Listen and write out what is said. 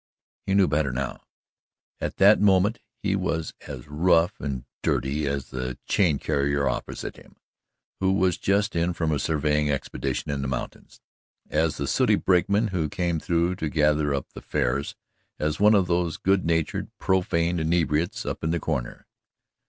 He knew better now. At that moment he was as rough and dirty as the chain carrier opposite him, who was just in from a surveying expedition in the mountains, as the sooty brakeman who came through to gather up the fares as one of those good natured, profane inebriates up in the corner.